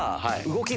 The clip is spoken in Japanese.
動き